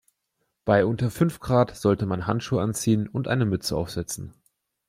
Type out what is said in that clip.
Bei unter fünf Grad sollte man Handschuhe anziehen und eine Mütze aufsetzen.